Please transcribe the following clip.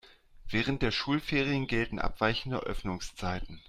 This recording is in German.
Während der Schulferien gelten abweichende Öffnungszeiten.